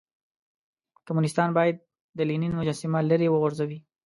کمونيستان بايد د لينن مجسمه ليرې وغورځوئ.